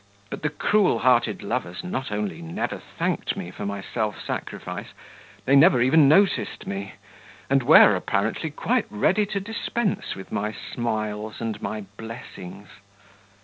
But the cruel hearted lovers not only never thanked me for my self sacrifice, they never even noticed me, and were, apparently, quite ready to dispense with my smiles and my blessings....